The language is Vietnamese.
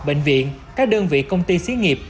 bệnh viện các đơn vị công ty xí nghiệp